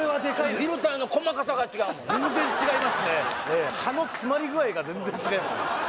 フィルターの細かさが違うもんな全然違いますね葉の詰まり具合が全然違いますね